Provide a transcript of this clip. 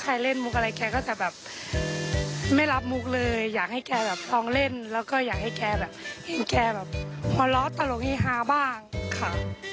ใครเล่นมุกอะไรแกก็จะแบบไม่รับมุกเลยอยากให้แกแบบพองเล่นแล้วก็อยากให้แกแบบเห็นแกแบบหัวเราะตลกเฮฮาบ้างค่ะ